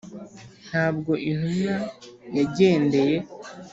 ntabwo intumwa yagendeye